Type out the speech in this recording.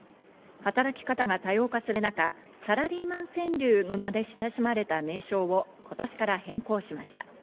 働き方が多様化する中、「サラリーマン川柳」の名で親しまれた名称を今年から変更しました。